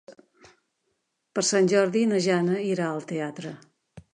Per Sant Jordi na Jana irà al teatre.